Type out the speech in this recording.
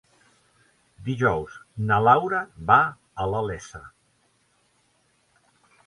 Dijous na Laura va a la Iessa.